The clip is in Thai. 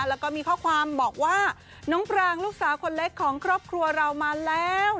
แล้วก็มีข้อความบอกว่าน้องปรางลูกสาวคนเล็กของครอบครัวเรามาแล้ว